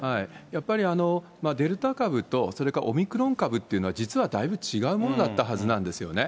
やっぱりデルタ株とそれからオミクロン株っていうのは実はだいぶ違うものだったはずなんですよね。